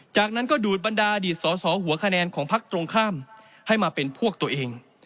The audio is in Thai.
จากนั้นก็ดูดบรรดาอดีตสอสอหัวคะแนนของพักตรงข้ามให้มาเป็นพวกตัวเอง